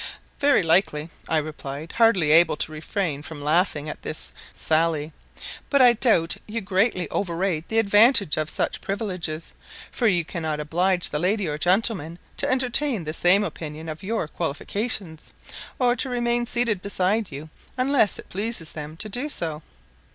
"Very likely," I replied, hardly able to refrain from laughing at this sally; "but I doubt you greatly overrate the advantage of such privileges, for you cannot oblige the lady or gentleman to entertain the same opinion of your qualifications, or to remain seated beside you unless it pleases them to do so."